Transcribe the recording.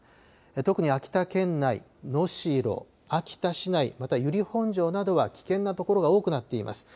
特に秋田県内、能代、秋田市内、また由利本荘などは危険な所が多くなっています。